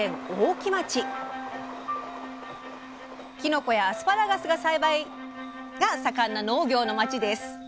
きのこやアスパラガスの栽培が盛んな農業の町です。